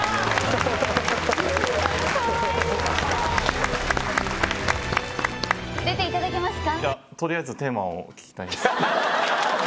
かわいい出ていただけますか？